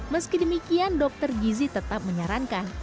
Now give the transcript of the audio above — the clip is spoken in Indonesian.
meski demikian dokter gizi tetap menyarankan